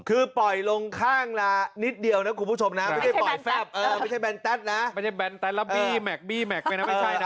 คือปล่อยลงข้างหลานิดเดียวนะคุณผู้ชมนะไม่ใช่ปล่อยแป่นแต๊ดไม่ใช่แป่นแต๊ดแล้วบีแม็คไปนะไม่ใช่นะ